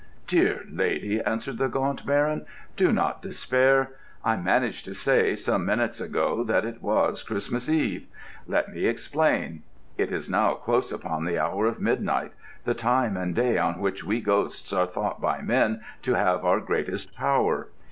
"Dear lady," answered the Gaunt Baron, "do not despair. I managed to say, some minutes ago, that it was Christmas Eve. Let me explain. It is now close upon the hour of midnight—the time and day on which we ghosts are thought by men to have our greatest power.